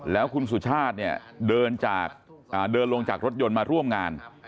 แล้วคุณสุชาติเนี่ยเดินลงจากรถยนต์มาร่วมงาน